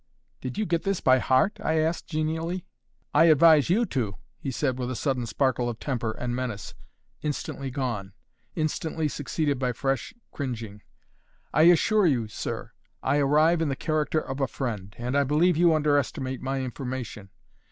"Did you get this by heart?" I asked, genially. "I advise YOU to!" he said, with a sudden sparkle of temper and menace, instantly gone, instantly succeeded by fresh cringing. "I assure you, sir, I arrive in the character of a friend; and I believe you underestimate my information.